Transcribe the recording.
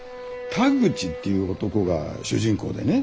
田口っていう男が主人公でね